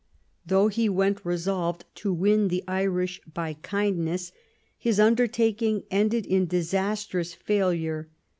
Though he went resolved "to win the Irish by kindness," his undertaking ended in disastrous failure.